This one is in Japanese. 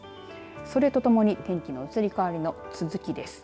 それとともに天気の移り変わりの続きです。